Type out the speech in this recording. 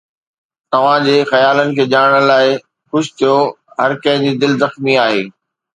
توهان جي خيالن کي ڄاڻڻ لاء خوش ٿيو. هر ڪنهن جي دل زخمي آهي